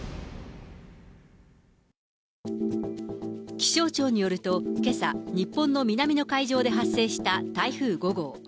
気象庁によると、けさ、日本の南の海上で発生した台風５号。